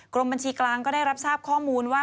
กรมบัญชีกลางก็ได้รับทราบข้อมูลว่า